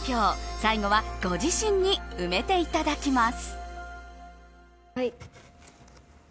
最後は、ご自身に埋めていただきます。